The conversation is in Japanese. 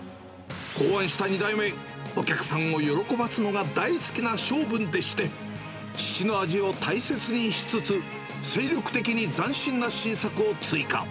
考案した２代目、お客さんを喜ばすのが大好きな性分でして、父の味を大切にしつつ、精力的に斬新な新作を追加。